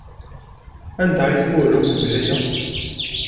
Anda ay tmuhel uqbel aya?